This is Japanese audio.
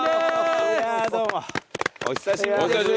お久しぶりです。